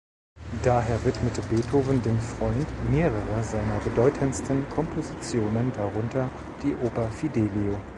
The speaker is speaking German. Daher widmete Beethoven dem Freund mehrere seiner bedeutendsten Kompositionen, darunter die Oper "Fidelio".